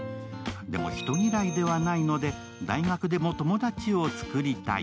でも人嫌いではないので大学でも友達を作りたい。